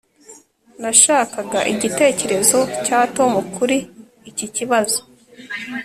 Ndashaka igitekerezo cya Tom kuri iki kibazo